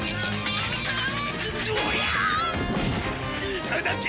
いただき！